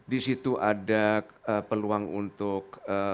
di situ ada peluang untuk